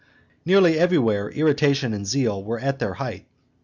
Nearly everywhere irritation and zeal were at their height.